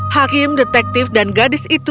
hakim detektif dan gadis itu